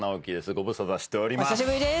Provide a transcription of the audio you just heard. ご無沙汰しております